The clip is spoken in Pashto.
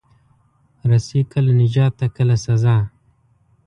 رسۍ کله نجات ده، کله سزا.